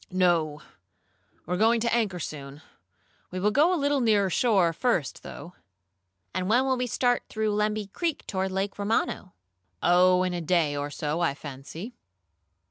"No, we are going to anchor soon. We will go a little nearer shore first, though." "And when will we start through Lemby Creek toward Lake Romano?" "Oh, in a day or so, I fancy."